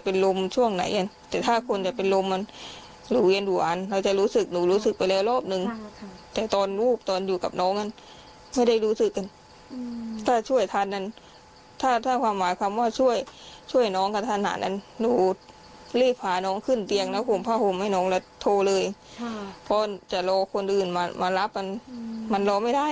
เพราะจะโรหคุณอื่นมารับมันมันโรหไม่ได้